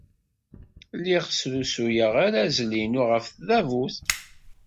Lliɣ srusuyeɣ arazal-inu ɣef tdabut.